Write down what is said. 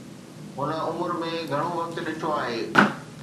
هن عمر ۾ گهڻو وقت ڏٺو آهي.